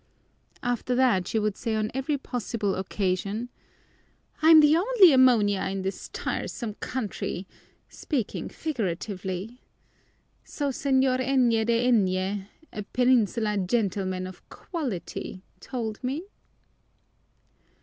After that she would say on every possible occasion, "I'm the only ammonia in this tiresome country, speaking figuratively. So Señor N. de N., a Peninsular gentleman of quality, told me."